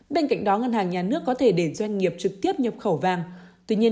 bên cạnh đó ngân hàng nhà nước có thể để doanh nghiệp trực tiếp nhập khẩu vàng tuy nhiên